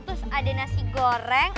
terus ada nasi goreng